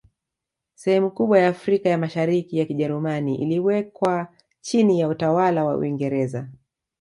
Sehemu kubwa ya Afrika ya Mashariki ya Kijerumani iliwekwa chini ya utawala wa Uingereza